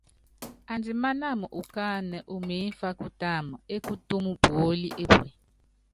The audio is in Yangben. Andimánáma ukánɛ umimfá kutáma ékutúmu puóli epue.